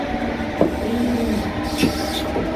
এই রুমে না।